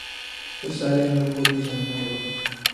اس سارے عمل کو بھی سمجھنا ہو گا